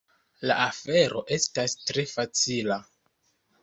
La afero estas tre facila.